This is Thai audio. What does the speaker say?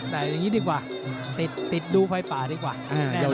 แต่อย่างนี้ดีกว่าติดดูฝ่ายป่าดีกว่าแน่นอน